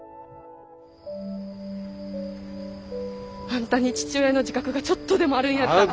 あんたに父親の自覚がちょっとでもあるんやったら。